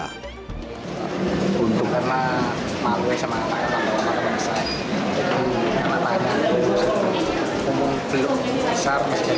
yang lama lama umum belok besar misalnya yang aku saja